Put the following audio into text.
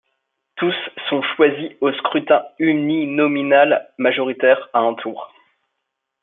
Tous sont choisis au scrutin uninominal majoritaire à un tour.